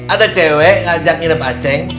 ada cewek ngajak ngidep acing